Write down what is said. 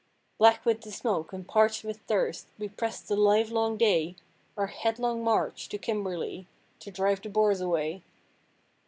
Black with the smoke and parched with thirst, we pressed the livelong day Our headlong march to Kimberley to drive the Boers away.